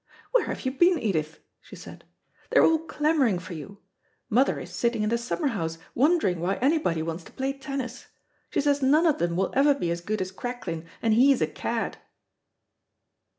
"Where have you been, Edith?" she said. "They're all clamouring for you. Mother is sitting in the summer house wondering why anybody wants to play tennis. She says none of them will ever be as good as Cracklin, and he's a cad."